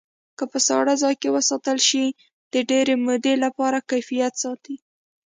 که په ساړه ځای کې وساتل شي د ډېرې مودې لپاره کیفیت ساتي.